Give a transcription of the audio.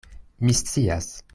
Mi scias.